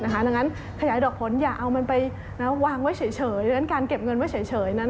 ดังนั้นขยายดอกผลอย่าเอามันไปวางไว้เฉยดังนั้นการเก็บเงินไว้เฉยนั้น